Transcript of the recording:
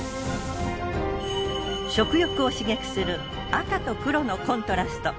食欲を刺激する赤と黒のコントラスト。